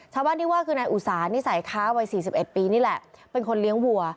ชาวบ้านที่ว่าคือนายอุสานิสัยค้าวัย๔๑ปีนี่แหละเป็นคนเลี้ยงวัว